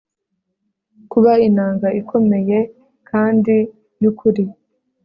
kuba inanga, ikomeye kandi yukuri